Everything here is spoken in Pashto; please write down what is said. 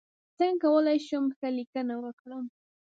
څنګه کولی شم ښه لیکنه وکړم